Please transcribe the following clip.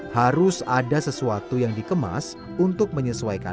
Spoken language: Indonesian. harus ada sesuatu yang dikemas untuk menyesuaikan